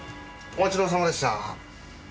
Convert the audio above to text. お待ちどおさまでした。